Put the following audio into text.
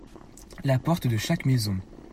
La porte de chaque maison.